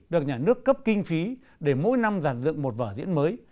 được nhà nước cấp kinh phí để mỗi năm giàn dựng một vở diễn mới